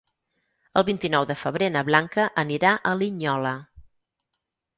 El vint-i-nou de febrer na Blanca anirà a Linyola.